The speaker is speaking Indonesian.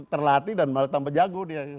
terlatih dan malah tambah jago dia